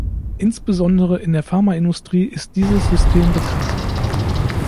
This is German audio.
Insbesondere in der Pharmaindustrie ist dieses System bekannt.